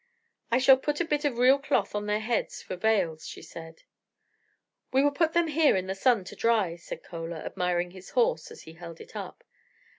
"I shall put a bit of real cloth on their heads for veils," she said. "We will put them here in the sun to dry," said Chola, admiring his horse as he held it up.